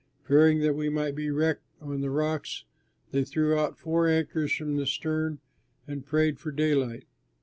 Fearing that we might be wrecked on the rocks, they threw out four anchors from the stern and prayed for daylight.